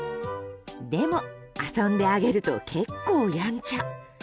でも、遊んであげると結構やんちゃ。